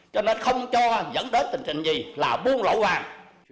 cho nên không cho dẫn đến tình trình gì là buôn lỗ hoàng